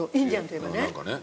何かね